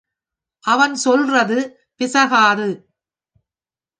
அவன் சொல்றது பிசகாது.